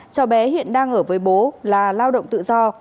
cháu bé hiện đang ở với bố là lao động tự do